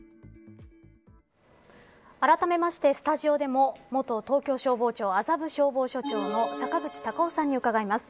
あらためまして、スタジオでも元東京消防庁、麻布消防署長の坂口隆夫さんに伺います。